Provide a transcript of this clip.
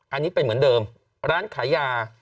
อันนี้เป็นเหมือนเดิมร้านขายยา